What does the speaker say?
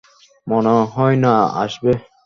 মনে হয় না আসবে।